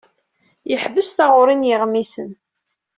Yeḥbes taɣuri n yiɣmisen.